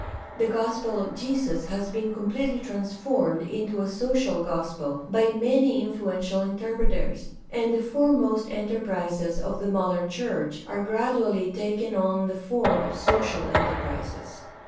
The gospel of Jesus has been completely transformed into a social gospel by many influ ential interpreters, and the foremost enterprises of the modern church are gradually taking on the form of social enterprises.